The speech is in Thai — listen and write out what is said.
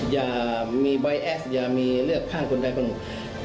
อย่ามีใบแอสอย่ามีเลือกข้างคนใดคนหนึ่ง